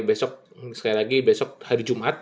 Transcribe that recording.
besok sekali lagi besok hari jumat